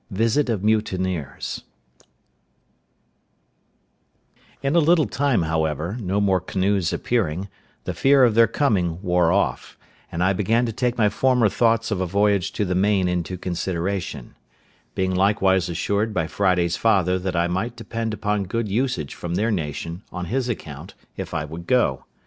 VISIT OF MUTINEERS In a little time, however, no more canoes appearing, the fear of their coming wore off; and I began to take my former thoughts of a voyage to the main into consideration; being likewise assured by Friday's father that I might depend upon good usage from their nation, on his account, if I would go.